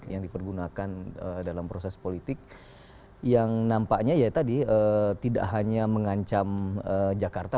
yang dipergunakan dalam proses politik yang nampaknya ya tadi tidak hanya mengancam jakarta